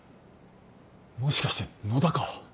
もしかして野田か？